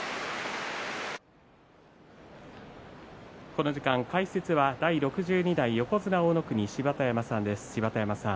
この時間、解説は第６２代横綱大乃国の芝田山さんです。